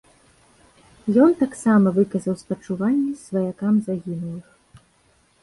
Ён таксама выказаў спачуванні сваякам загінулых.